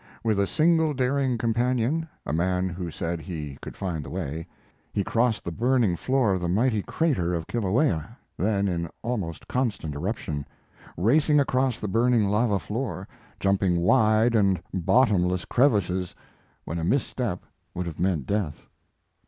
With a single daring companion a man who said he could find the way he crossed the burning floor of the mighty crater of Kilauea (then in almost constant eruption), racing across the burning lava floor, jumping wide and bottomless crevices, when a misstep would have meant death.